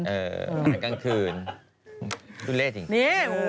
อาหารกลางคืน